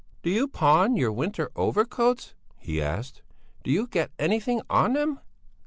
"Do you pawn your winter overcoats?" he asked. "Do you get anything on them?"